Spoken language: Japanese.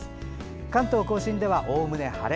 関東・甲信ではおおむね晴れ。